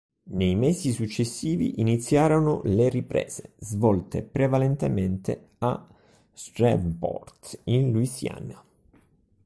Nei mesi successivi iniziarono le riprese, svolte prevalentemente a Shreveport, in Louisiana.